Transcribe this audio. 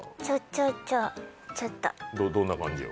どんな感じよ？